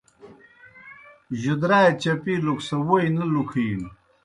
جُدرائے چپِلُک سہ ووئی نہ لِکُھینوْ